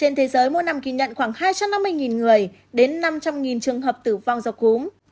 hiện thế giới mỗi năm ghi nhận khoảng hai trăm năm mươi người đến năm trăm linh trường hợp tử vong do cúm